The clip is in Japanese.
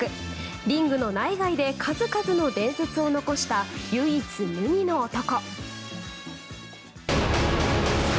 リングの内外で数々の伝説を残した唯一無二の男。